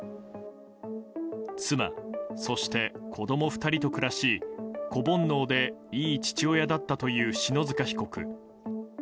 妻、そして子供２人と暮らし子煩悩でいい父親だったという篠塚被告。